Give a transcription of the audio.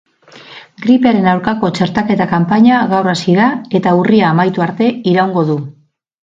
Gripearen aurkako txertaketa kanpaina gaur hasi da eta urria amaitu arte iraungo du.